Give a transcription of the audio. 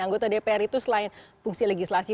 anggota dpr itu selain fungsi legislasi